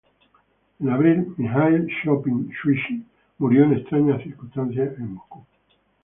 En abril, Mijaíl Skopín-Shuiski murió en extrañas circunstancias en Moscú.